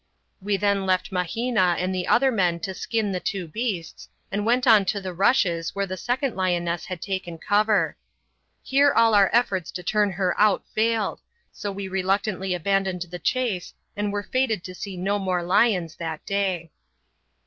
We then left Mahina and the other men to skin the two beasts, and went on to the rushes where the second lioness had taken cover. Here all our efforts to turn her out failed, so we reluctantly abandoned the chase and were fated to see no more lions that day.